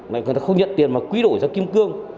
người ta không nhận tiền mà quy đổi ra kim cương